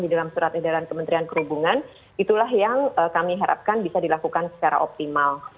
di dalam surat edaran kementerian perhubungan itulah yang kami harapkan bisa dilakukan secara optimal